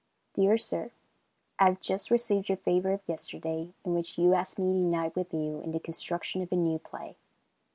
Dear Sir: I have just received your favor of yesterday, in which you ask me to unite with you in the construction of a new play.